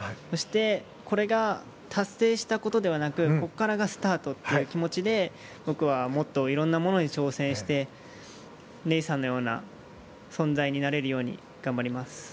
そして、これが達成したことではなくここからがスタートという気持ちで僕はもっといろいろなものに挑戦してネイサンのような存在になれるように頑張ります。